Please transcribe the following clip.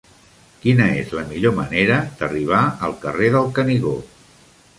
Quina és la millor manera d'arribar al carrer del Canigó?